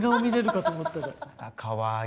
かわいい。